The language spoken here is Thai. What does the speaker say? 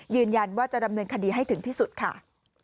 ยืนยันว่าจะดำเนินคดีให้ถึงที่สุดค่ะ